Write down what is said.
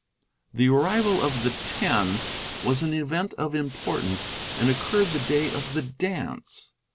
The arrival of the Ten was an event of importance, and occurred the day of the dance.